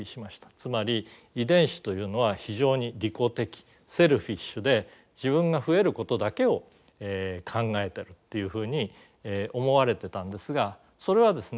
つまり遺伝子というのは非常に利己的セルフィッシュで自分が増えることだけを考えてるっていうふうに思われてたんですがそれはですね